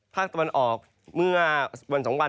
ภาคตะวันออกเมื่อวัน๒วัน